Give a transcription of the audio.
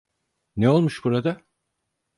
Ne olmuş burada?